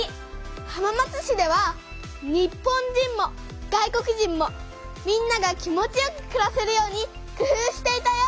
浜松市では日本人も外国人もみんなが気持ちよくくらせるようにくふうしていたよ。